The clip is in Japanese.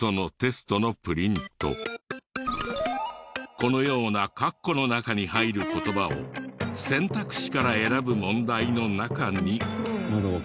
このようなかっこの中に入る言葉を選択肢から選ぶ問題の中に。